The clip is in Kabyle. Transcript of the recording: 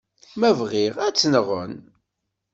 Ma bɣiɣ, ad tt-nɣen.